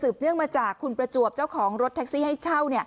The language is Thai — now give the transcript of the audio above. เนื่องมาจากคุณประจวบเจ้าของรถแท็กซี่ให้เช่า